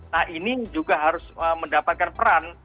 nah ini juga harus mendapatkan peran